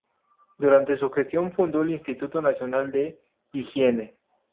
Durante su gestión fundó el Instituto Nacional de Higiene.